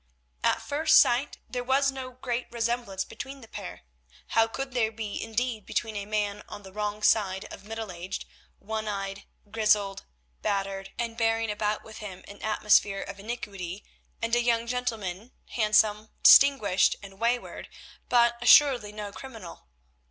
At first sight there was no great resemblance between the pair. How could there be indeed between a man on the wrong side of middle age, one eyed, grizzled, battered, and bearing about with him an atmosphere of iniquity, and a young gentleman, handsome, distinguished, and wayward, but assuredly no criminal?